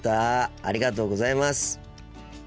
ありがとうございます。